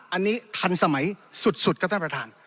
อันนี้ทันสมัยสุดครับท่านประธาน